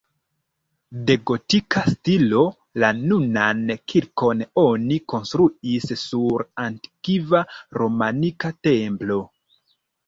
De gotika stilo, la nunan kirkon oni konstruis sur antikva romanika templo.